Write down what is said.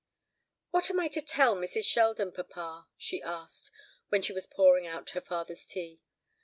"What am I to tell Mrs. Sheldon, papa?" she asked, when she was pouring out her father's tea.